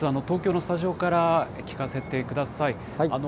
東京のスタジオから聞かせてください。